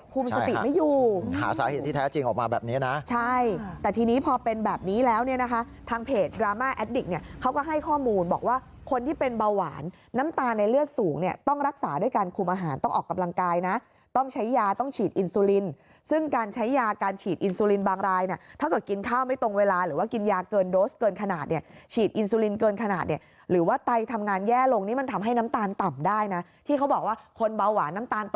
เขาก็ให้ข้อมูลบอกว่าคนที่เป็นเบาหวานน้ำตาลในเลือดสูงต้องรักษาด้วยการคุมอาหารต้องออกกำลังกายต้องใช้ยาต้องฉีดอินซูลินซึ่งการใช้ยาการฉีดอินซูลินบางรายถ้าเกิดกินข้าวไม่ตรงเวลาหรือว่ากินยาเกินโดสเกินขนาดฉีดอินซูลินเกินขนาดหรือว่าไตทำงานแย่ลงมันทำให้น้ำตาลต